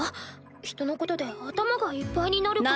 人のことで頭がいっぱいになること。